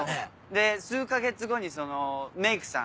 で数か月後にメイクさん。